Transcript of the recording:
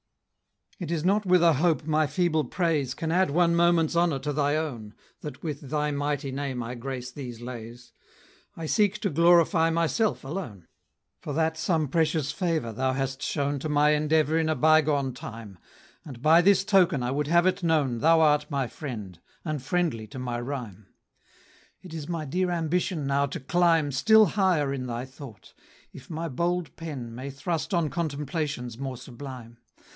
It is not with a hope my feeble praise Can add one moment's honor to thy own, That with thy mighty name I grace these lays; I seek to glorify myself alone: For that some precious favor thou hast shown To my endeavor in a bygone time, And by this token I would have it known Thou art my friend, and friendly to my rhyme! It is my dear ambition now to climb Still higher in thy thought, if my bold pen May thrust on contemplations more sublime.